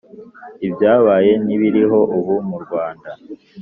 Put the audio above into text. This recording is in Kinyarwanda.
ibyabaye n'ibiriho ubu mu Rwanda